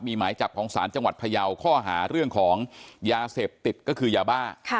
มีหมายจับของศาลจังหวัดพยาวข้อหาเรื่องของยาเสพติดก็คือยาบ้า